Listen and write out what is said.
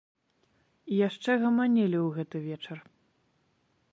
І яшчэ гаманілі ў гэты вечар.